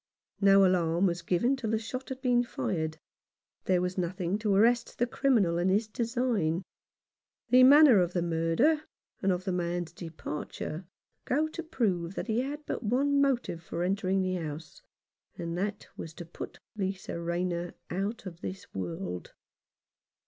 No alarm, was given till the shot had been fired ; there was nothing to arrest the criminal in his design. The manner of the murder, and of the man's departure, go to prove that he had but one motive for entering the house, and that was to put Lisa Rayner out of this world.